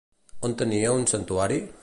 On tenia un santuari?